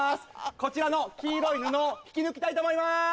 こちらの黄色い布を引き抜きたいと思います！